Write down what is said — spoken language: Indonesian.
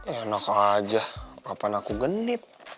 ya enak aja kapan aku genit